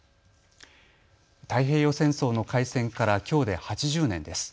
太平洋戦争の開戦からきょうで８０年です。